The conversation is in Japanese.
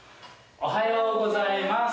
おはようございます。